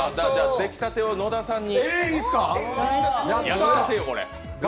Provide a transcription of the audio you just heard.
焼きたてを野田さんに。